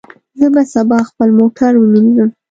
زه به سبا خپل موټر ومینځم.